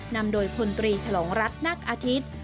นำโดยพลตรีฉลองรัฐนักอาทิตย์